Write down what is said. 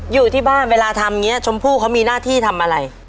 อยู่ที่บ้านเวลาทำอย่างนี้ชมพู่เขามีหน้าที่ทำอะไร